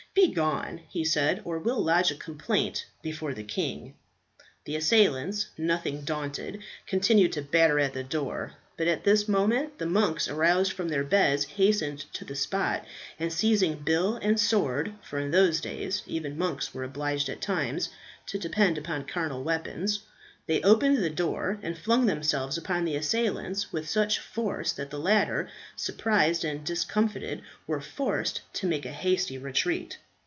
Begone," he said, "or we'll lodge a complaint before the king." The assailants, nothing daunted, continued to batter at the door; but at this moment the monks, aroused from their beds, hastened to the spot, and seizing bill and sword for in those days even monks were obliged at times to depend upon carnal weapons they opened the door, and flung themselves upon the assailants with such force that the latter, surprised and discomfited, were forced to make a hasty retreat.